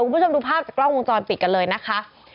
คุณผู้ชมดูภาพจากกล้องวงจรปิดกันเลยนะคะ